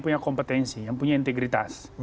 punya kompetensi yang punya integritas